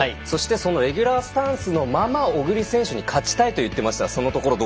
そしてそのレギュラースタンスのまま小栗選手に勝ちたいと言ってました。